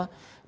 dpd ini lahir